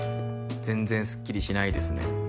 全然すっきりしないですね。